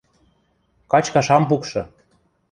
Качкаш ам пукшы!